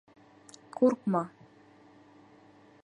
— Ҡурҡма.